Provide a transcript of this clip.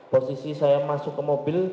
posisi saya masuk ke mobil